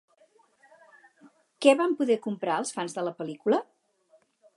Què van poder comprar els fans de la pel·lícula?